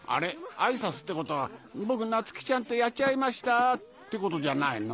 挨拶ってことは「僕夏希ちゃんとやっちゃいました」ってことじゃないの？